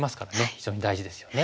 非常に大事ですよね。